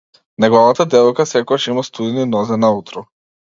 Неговата девојка секогаш има студени нозе наутро.